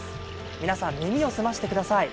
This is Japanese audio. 皆さん、耳を澄ませてください。